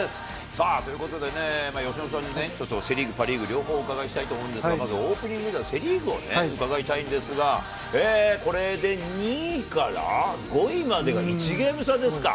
さあ、ということで、由伸さんにちょっとセ・リーグ、パ・リーグ、両方お伺いしたいと思うんですが、まずオープニングではセ・リーグを伺いたいんんですが、これで２位から、５位までが１ゲーム差ですか。